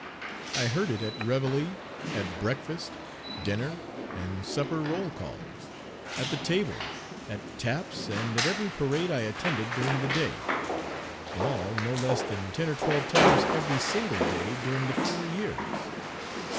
I heard it at reveille, at breakfast, dinner, and supper roll calls, at the table, at taps, and at every parade I attended during the day in all no less than ten or twelve times every single day during the four years.